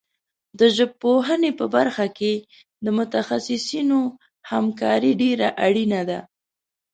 د ژبپوهنې په برخه کې د متخصصینو همکاري ډېره اړینه ده.